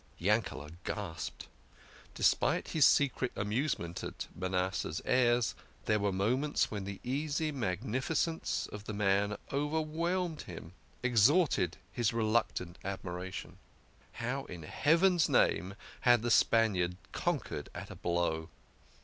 Yankele" gasped ; despite his secret amusement at Manas seh's airs, there were moments when the easy magnificence of the man overwhelmed him, extorted his reluctant admi ration. How in Heaven's name had the Spaniard conquered at a blow